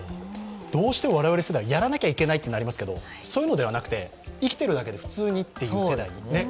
どうしても我々世代、やらなきゃいけないとなりますけどそういうのではなくて、生きているだけで普通にというね。